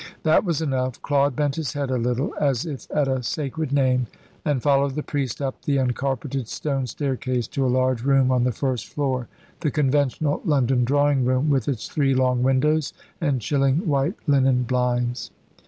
That was enough. Claude bent his head a little, as if at a sacred name, and followed the priest up the uncarpeted stone staircase to a large room on the first floor the conventional London drawing room, with its three long windows and chilling white linen blinds.